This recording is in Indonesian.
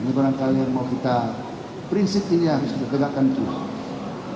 ini barangkali yang mau kita prinsip ini harus ditegakkan terus